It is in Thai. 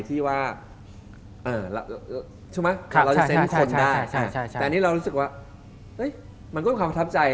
ใช่มั้ยใช่